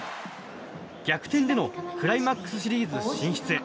逆転でのクライマックスシリーズ進出。